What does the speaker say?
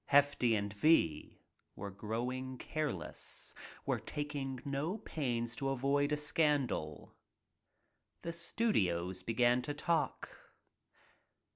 Hefty and V were growing careless—were tak ing no pains to avoid a scandal. The studios began to talk.